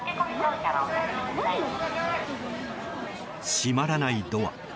閉まらないドア。